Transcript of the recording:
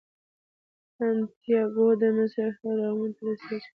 سانتیاګو د مصر اهرامونو ته رسیږي.